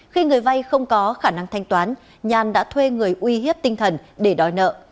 khi người vay không có khả năng thanh toán nhàn đã thuê người uy hiếp tinh thần để đòi nợ